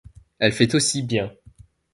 Elle fait aussi bien.